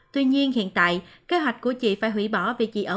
tuy nhiên hiện tại kế hoạch của chị phải hủy bỏ